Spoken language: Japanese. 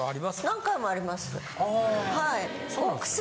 何回もあります。